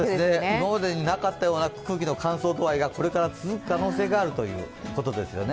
今までになかったような空気の乾燥具合がこれから続く可能性があるということですよね。